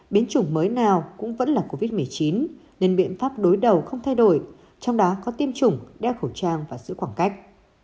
biến chủng mới nào cũng vẫn là covid một mươi chín nên biện pháp đối đầu không thay đổi trong đó có tiêm chủng đeo khẩu trang và giữ khoảng cách